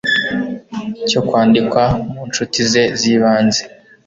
cyo kwandikwa mu ncuti ze z'ibanze